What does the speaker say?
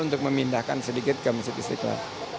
untuk memindahkan sedikit ke masjid istiqlal